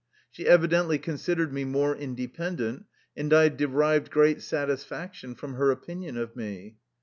She evi dently considered me more independent, and I derived great satisfaction from her opinion of me.